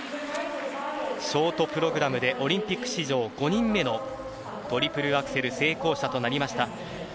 ショートプログラムでオリンピック史上５人目のトリプルアクセル成功者となりました。